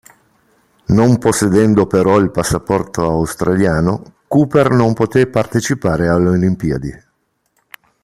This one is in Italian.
Non possedendo però il passaporto australiano, Cooper non poté partecipare alle Olimpiadi.